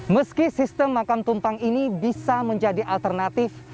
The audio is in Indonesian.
meski sistem makam tumpang ini bisa menjadi alternatif